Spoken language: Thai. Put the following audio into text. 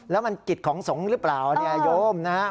แล้วมันกิจของสงฆ์หรือเปล่าโยมนะฮะ